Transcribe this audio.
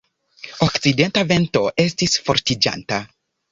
Okcidenta vento estis fortiĝanta.